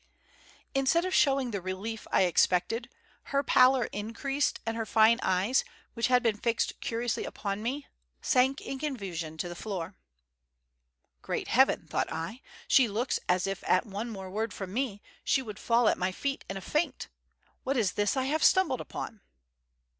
Instead of showing the relief I expected, her pallor increased and her fine eyes, which had been fixed curiously upon me, sank in confusion to the floor. "Great heaven!" thought I. "She looks as if at one more word from me, she would fall at my feet in a faint. What is this I have stumbled upon!"